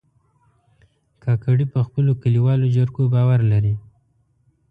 کاکړي په خپلو کلیوالو جرګو باور لري.